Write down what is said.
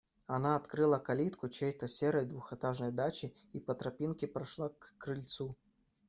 Она открыла калитку чьей-то серой двухэтажной дачи и по тропинке прошла к крыльцу.